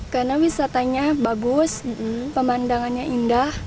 karena wisatanya bagus pemandangannya indah